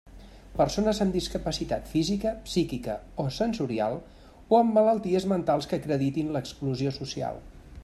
Persones amb discapacitat física, psíquica o sensorial o amb malalties mentals que acreditin l'exclusió social.